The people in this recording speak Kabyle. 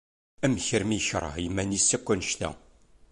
Amek armi i yekṛeh iman-is yakk annect-a?